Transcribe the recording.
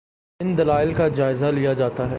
ان دلائل کا جائزہ لیا جاتا ہے۔